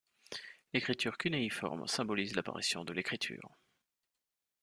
L'écriture cunéiforme symbolise l'apparition de l'écriture.